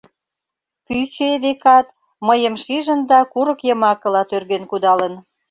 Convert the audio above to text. Пӱчӧ, векат, мыйым шижын да курык йымакыла тӧрген кудалын.